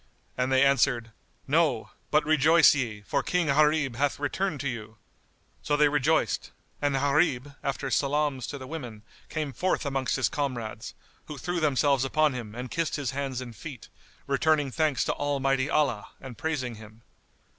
and they answered, "No; but rejoice ye, for King Gharib hath returned to you." So they rejoiced, and Gharib, after salams to the women came forth amongst his comrades, who threw themselves upon him and kissed his hands and feet, returning thanks to Almighty Allah and praising Him.